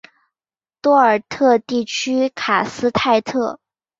多尔特地区卡斯泰特。